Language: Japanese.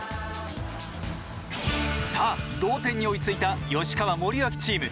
さあ同点に追いついた吉川・森脇チーム。